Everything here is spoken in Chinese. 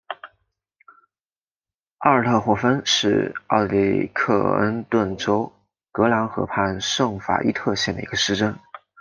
阿尔特霍芬是奥地利克恩顿州格兰河畔圣法伊特县的一个市镇。